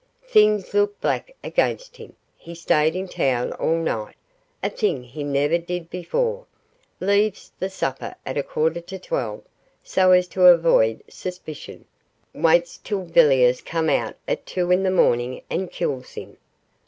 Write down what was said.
Things look black against him: he stayed in town all night, a thing he never did before leaves the supper at a quarter to twelve, so as to avoid suspicion; waits till Villiers comes out at two in the morning and kills him.